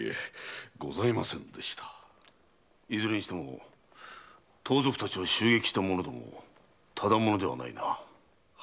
いずれにしても盗賊達を襲撃した者どもただ者ではないな。